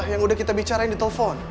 yang udah kita bicarain di telepon